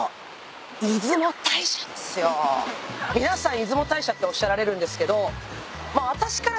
出雲大社っておっしゃられるんですけどまっ